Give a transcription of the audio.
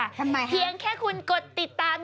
ทำไมเพียงแค่คุณกดติดตาม